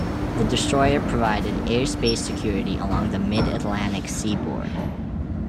The destroyer provided air-space security along the mid-Atlantic seaboard.